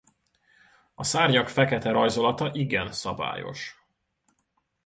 A szárnyak fekete rajzolata igen szabályos.